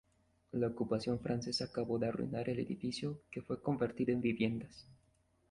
La ocupación francesa acabó de arruinar el edificio, que fue convertido en viviendas.